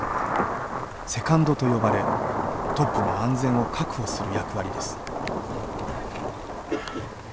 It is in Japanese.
「セカンド」と呼ばれトップの安全を確保する役割です。